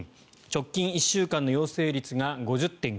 直近１週間の陽性率が５０．９％。